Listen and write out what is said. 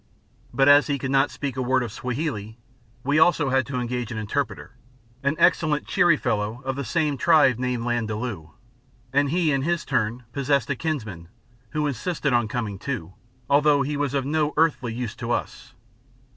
But as he could not speak a word of Swahili, we had also to engage an interpreter, an excellent, cheery fellow of the same tribe named Landaalu; and he in his turn possessed a kinsman who insisted on coming too, although he was no earthly use to us.